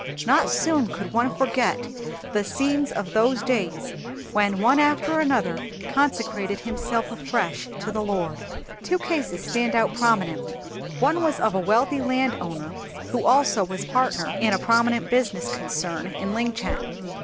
Not soon could one forget the scenes of those days when one after another consecrated himself afresh to the Lord. Two cases stand out prominently. One was that of a wealthy landowner who also was partner in a prominent business concern in Linchang.